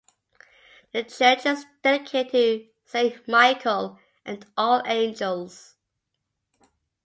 The church is dedicated to Saint Michael and All Angels.